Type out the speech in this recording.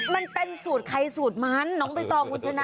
มันเป็นสูตรใครสูตรมันน้องใบตองคุณชนะ